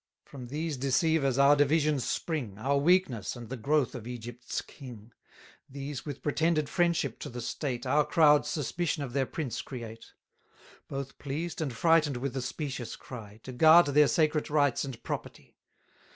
690 From these deceivers our divisions spring, Our weakness, and the growth of Egypt's king; These, with pretended friendship to the state, Our crowds' suspicion of their prince create; Both pleased and frighten'd with the specious cry, To guard their sacred rites and property.